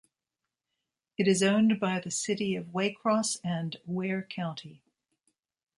It is owned by the City of Waycross and Ware County.